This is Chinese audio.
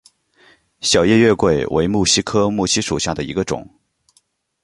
小叶月桂为木犀科木犀属下的一个种。